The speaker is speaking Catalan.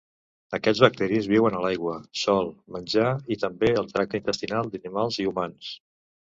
Aquests bacteris viuen a l'aigua, sòl, menjar i també al tracte intestinal d'animals i humans.